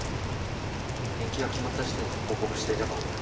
延期が決まった時点で報告していれば。